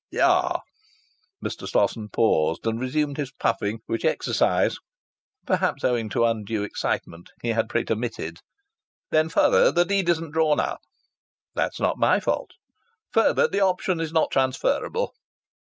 "Ah!" Mr. Slosson paused, and resumed his puffing, which exercise perhaps owing to undue excitement he had pretermitted. "Then further, the deed isn't drawn up." "That's not my fault." "Further, the option is not transferable."